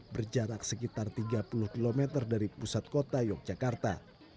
berjarak sekitar tiga puluh km dari pusat kota yogyakarta